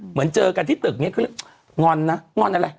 เหมือนเจอกันที่ตึกนี้คืองอนนะงอนอะไร